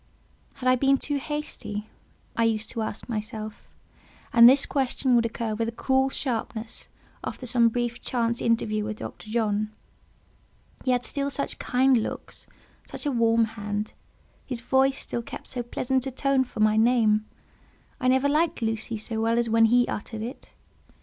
Had I been too hasty? I used to ask myself; and this question would occur with a cruel sharpness after some brief chance interview with Dr. John. He had still such kind looks, such a warm hand; his voice still kept so pleasant a tone for my name; I never liked "Lucy" so well as when he uttered it.